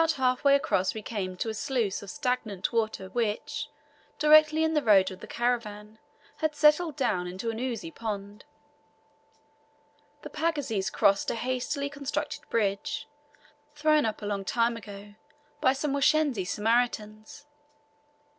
About half way across we came to a sluice of stagnant water which, directly in the road of the caravan, had settled down into an oozy pond. The pagazis crossed a hastily constructed bridge, thrown up a long time ago by some Washensi Samaritans.